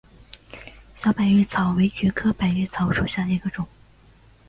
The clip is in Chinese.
小百日草为菊科百日草属下的一个种。